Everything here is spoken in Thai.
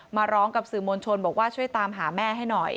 มาร้องกับสื่อมวลชนบอกว่าช่วยตามหาแม่ให้หน่อย